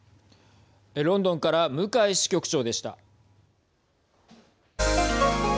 ロンドンから向井支局長でした。